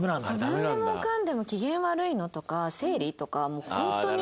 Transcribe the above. なんでもかんでも「機嫌悪いの？」とか「生理？」とかもう本当に。